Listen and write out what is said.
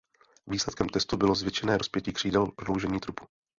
Výsledkem testů bylo zvětšené rozpětí křídel prodloužení trupu.